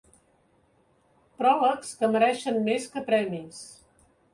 Pròlegs que mereixen més que premis.